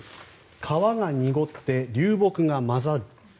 川が濁って流木が混ざる。